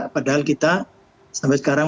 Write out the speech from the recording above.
padahal kita sampai sekarang